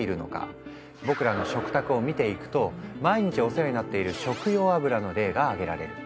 僕らの食卓を見ていくと毎日お世話になっている食用油の例が挙げられる。